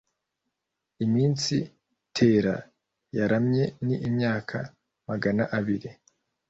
iminsi tera yaramye ni imyaka magana abiri